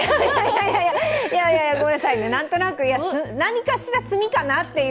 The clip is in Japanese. いやいや、ごめんなさい何かしら炭かなという。